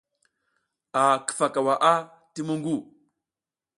A kifa ka waʼa ti muƞgu.